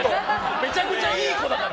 めちゃくちゃいい子だから！